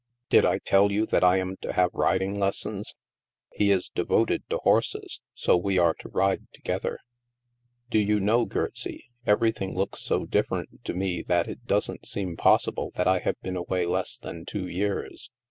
Did I tell you that I am to have riding lessons? He is devoted to horses; so we are to ride together." " Do you know, Gertsie, everything looks so dif ferent to me that it doesn't seem possible that I have been away less than two years.